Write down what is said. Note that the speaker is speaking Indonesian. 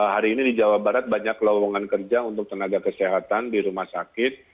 hari ini di jawa barat banyak lowongan kerja untuk tenaga kesehatan di rumah sakit